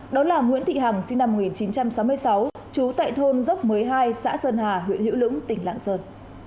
đó là nguyễn thị hằng sinh năm một nghìn chín trăm sáu mươi sáu trú tại thôn dốc mới hai xã sơn hà huyện hữu lũng tỉnh lạng sơn